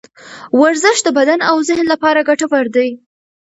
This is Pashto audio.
ورزش د بدن او ذهن لپاره ګټور دی.